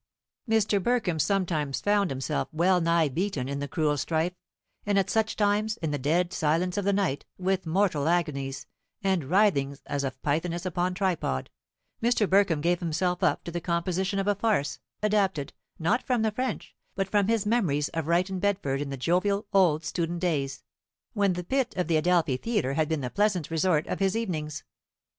Mr. Burkham sometimes found himself well nigh beaten in the cruel strife; and at such times, in the dead silence of the night, with mortal agonies, and writhings as of Pythoness upon tripod, Mr. Burkham gave himself up to the composition of a farce, adapted, not from the French, but from his memories of Wright and Bedford in the jovial old student days, when the pit of the Adelphi Theatre had been the pleasant resort of his evenings.